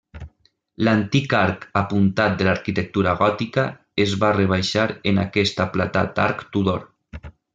L'antic arc apuntat de l'arquitectura gòtica es va rebaixar en aquest aplatat arc Tudor.